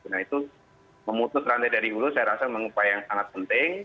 nah itu memutus rantai dari hulu saya rasa mengupaya yang sangat penting